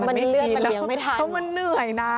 มันไม่จีนแล้วเพราะมันเหนื่อยนะ